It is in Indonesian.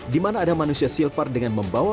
di mana ada manusia silvar dengan membawa